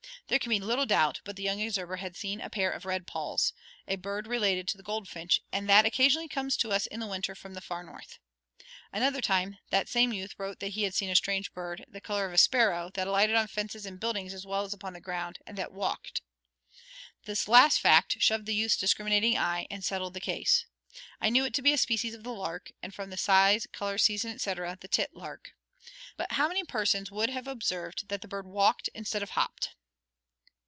There can be little doubt but the young observer had seen a pair of red polls, a bird related to the goldfinch, and that occasionally comes down to us in the winter from the far north. Another time, the same youth wrote that he had seen a strange bird, the color of a sparrow, that alighted on fences and buildings as well as upon the ground, and that walked. This last fact shoved the youth's discriminating eye and settled the case. I knew it to be a species of the lark, and from the size, color, season, etc., the tit lark. But how many persons would have observed that the bird walked instead of hopped?